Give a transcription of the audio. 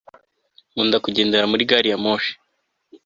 nkunda kugendera muri gari ya moshi